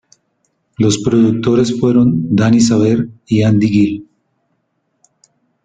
Los productores fueron Danny Saber y Andy Gill.